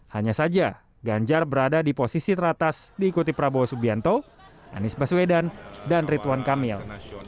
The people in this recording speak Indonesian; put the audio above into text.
hanya saja ganjar berada di posisi teratas diikuti prabowo subianto anies baswedan dan rituan kamil